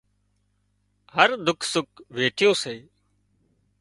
هر ڏُک سُک ويٺي سي